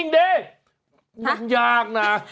ยังยากนะ